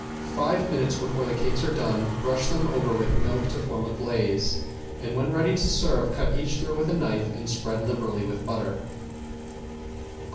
Five minutes before the cakes are done brush them over with milk to form a glaze, and when ready to serve cut each through with a knife and spread liberally with butter.